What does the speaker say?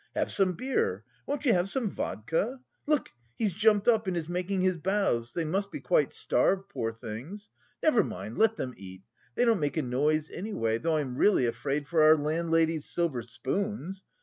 Have some beer! Won't you have some vodka? Look, he's jumped up and is making his bows, they must be quite starved, poor things. Never mind, let them eat! They don't make a noise, anyway, though I'm really afraid for our landlady's silver spoons...